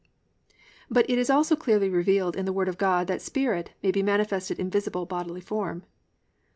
But it is also clearly revealed in the Word of God that "spirit" may be manifested in visible, bodily form.